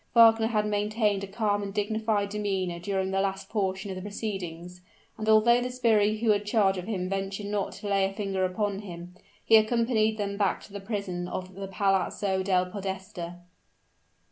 Wagner had maintained a calm and dignified demeanor during the latter portion of the proceedings; and, although the sbirri who had charge of him ventured not to lay a finger upon him, he accompanied them back to the prison of the Palazzo del Podesta.